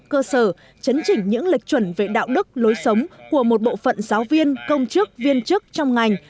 cơ sở chấn chỉnh những lệch chuẩn về đạo đức lối sống của một bộ phận giáo viên công chức viên chức trong ngành